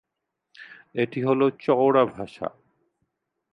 একটি হল চওড়া ভাষা।